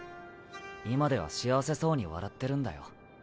今では幸せそうに笑ってるんだよ。